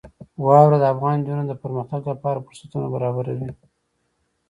واوره د افغان نجونو د پرمختګ لپاره فرصتونه برابروي.